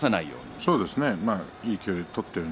そうですね。